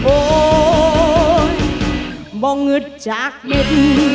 โอ๊ยบ่งหืดจากนิด